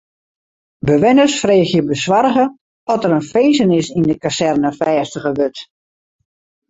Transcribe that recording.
Bewenners freegje besoarge oft der in finzenis yn de kazerne fêstige wurdt.